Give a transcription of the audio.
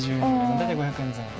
大体５００円前後。